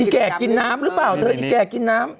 แก่กินน้ำหรือเปล่าเธออีกแก่กินน้ำ